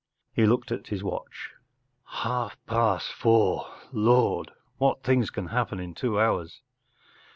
He looked at his watch. “ Half past four ! Lord! What things can happen in two hours.